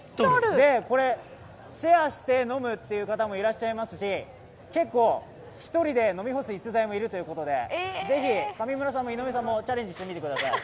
シェアして飲む方もいらっしゃいますし、結構、１人で飲み干す逸材もいるということで、是非上村さんと井上さんチャレンジしてみてください。